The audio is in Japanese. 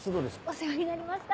お世話になりました！